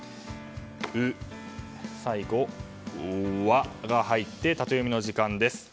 「ウ」、「ワ」と入ってタテヨミの時間です。